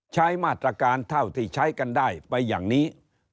ใช้มาตรการเท่าที่ใช้กันได้ไปอย่างนี้